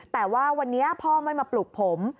แต่ว่าวันนี้พ่อไม่มาปลุกผม